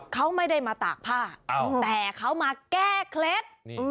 เขาไม่ได้มาตากผ้าแต่เขามาแก้เคล็ด